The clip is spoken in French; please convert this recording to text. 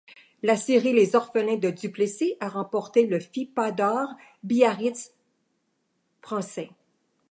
La série Les orphelins de Duplessis a remporté le Fippa d’or Biarritz Fr.